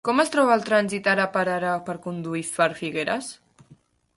Com es troba el trànsit ara per ara per conduir per Figueres?